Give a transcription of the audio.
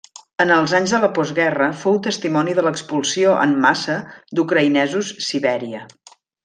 En els anys de la postguerra fou testimoni de l'expulsió en massa d'ucraïnesos Sibèria.